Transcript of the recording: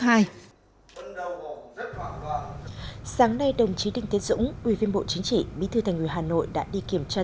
sáng nay đồng chí đinh tiến dũng ubnd bộ chính trị bí thư thành nguyên hà nội đã đi kiểm tra